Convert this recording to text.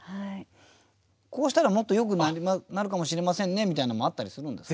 こうしたらもっとよくなるかもしれませんねみたいなのもあったりするんですか？